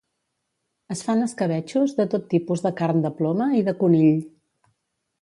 Es fan escabetxos de tot tipus de carn de ploma i de conill